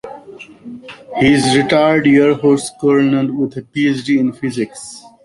He is a retired Air Force Colonel with a PhD in physics.